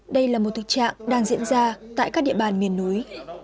đây là một thực trạng đang diễn ra tại các địa bàn miền núi